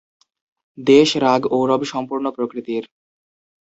দেশ রাগ ঔড়ব-সম্পূর্ণ প্রকৃতির।